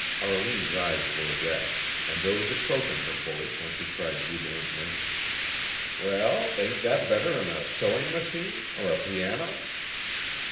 Arline's eyes were wet, and there was a croak in her voice when she cried jubilantly: "Well, ain't that better 'n a sewin' machine or a piano?"